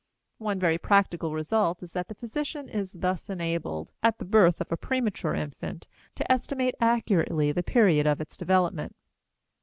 One very practical result is that the physician is thus enabled, at the birth of a premature infant, to estimate accurately the period of its development.